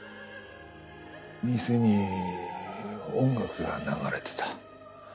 店に音楽が流れてた。